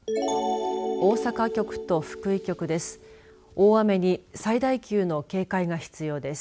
大阪局と福井局です。